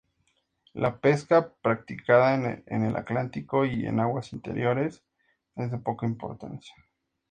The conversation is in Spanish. La pesca, practicada en el Atlántico y en aguas interiores, es de poca importancia.